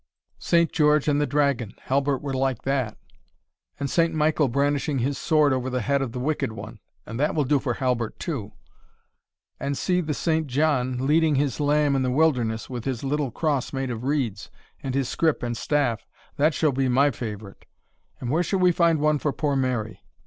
"Saint George and the dragon Halbert will like that; and Saint Michael brandishing his sword over the head of the Wicked One and that will do for Halbert too. And see the Saint John leading his lamb in the wilderness, with his little cross made of reeds, and his scrip and staff that shall be my favourite; and where shall we find one for poor Mary?